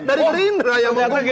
dari gerindra yang menggugat